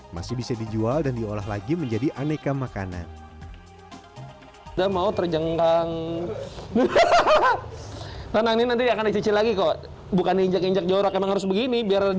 masih bisa dijual dan diolah lagi menjadi aneka makanan